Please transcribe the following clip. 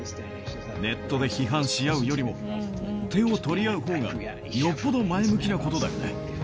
ネットで批判し合うよりも、手を取り合うほうが、よっぽど前向きなことだよね。